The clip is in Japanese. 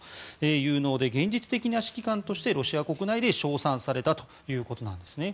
有能で現実的な指揮官としてロシア国内で称賛されたということなんですね。